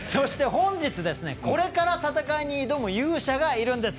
本日、これから戦いに挑む勇者がいるんです。